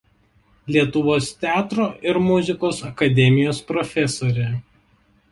Lietuvos teatro ir muzikos akademijos profesorė.